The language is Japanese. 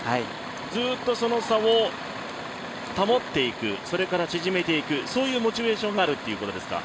ずっとその差を保っていくそれから、縮めていくそういうモチベーションがあるということですか？